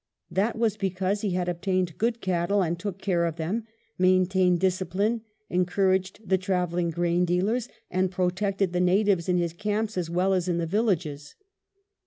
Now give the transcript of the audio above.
That was because he had obtained good cattle and took care of them, maintained discipline, encouraged the travelling grain dealers, and protected the natives in his camps as well as in the villages.